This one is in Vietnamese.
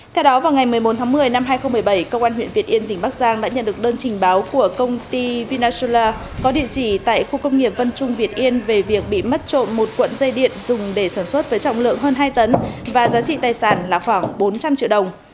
theo đó vào ngày một mươi bốn tháng một mươi năm hai nghìn một mươi bảy công an huyện việt yên tỉnh bắc giang đã nhận được đơn trình báo của công ty vinasula có địa chỉ tại khu công nghiệp vân trung việt yên về việc bị mất trộm một cuộn dây điện dùng để sản xuất với trọng lượng hơn hai tấn và giá trị tài sản là khoảng bốn trăm linh triệu đồng